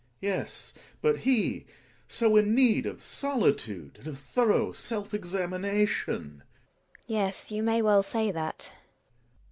Gregers. Yes, but he — so in need of solitude and of thorough self examination. GiNA. Yes, you may well say that.